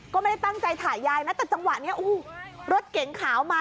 ก็ไม่ได้ตั้งใจถ่ายยายนะแต่จังหวะนี้รถเก๋งขาวมา